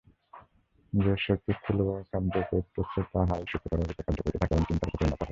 যে-শক্তি স্থূলভাবে কার্য করিতেছে, তাহাই সূক্ষ্মতররূপে কার্য করিতে থাকে এবং চিন্তারূপে পরিণত হয়।